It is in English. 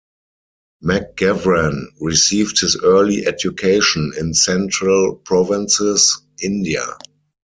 McGavran received his early education in Central Provinces, India.